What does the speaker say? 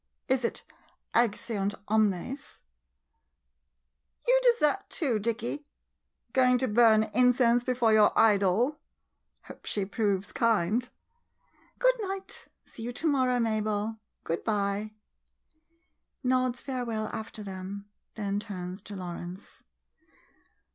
Is it Exeunt omnes? You desert 7 MODERN MONOLOGUES too — Dicky? Going to burn incense before your idol? Hope she proves kind! Good night — see you to morrow, Mabel. Good by. [Nods farewell after them, then turns to Lawrence.